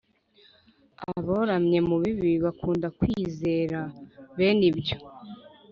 Aboramye mu bibi, bakunda kwizera bene ibyo,